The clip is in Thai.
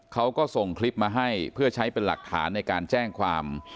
เขาก็ส่งคลิปมาให้เพื่อใช้เป็นหลักฐานในการแจ้งความ